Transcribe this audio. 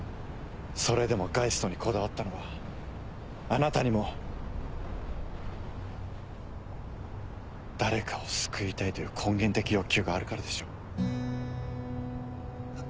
それでもガイストにこだわったのはあなたにも誰かを救いたいという根源的欲求があるからでしょう。